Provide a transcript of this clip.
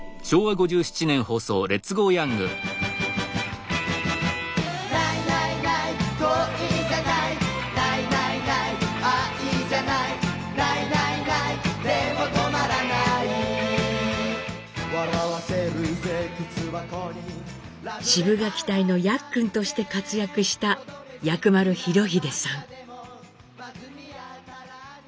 「シブがき隊のヤックン」として活躍した薬丸裕英さん。